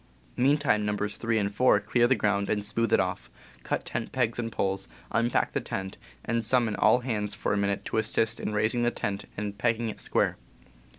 Meantime Nos. 3 and 4 clear the ground and smooth it off, cut tent pegs and poles, unpack the tent, and summon all hands for a minute to assist in raising the tent and pegging it "square."